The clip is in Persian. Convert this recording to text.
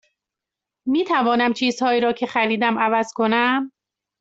می توانم چیزهایی را که خریدم عوض کنم؟